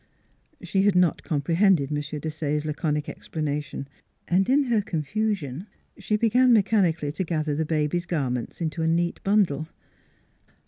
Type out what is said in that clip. She had not comprehended M. Desaye's laconic explana tion, and in her confusion she began mechanically to gather the baby's garments into a neat bundle.